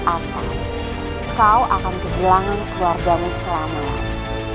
atau kau akan kehilangan keluargamu selama lamanya